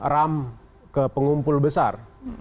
ram ke pengumpul besar